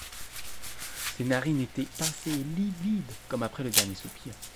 Ses narines étaient pincées et livides comme après le dernier soupir.